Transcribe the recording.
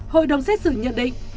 hội đồng xét xử nhận định